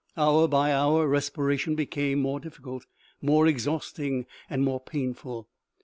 Hour by hour, respiration became more difficult, more exhausting and more painful.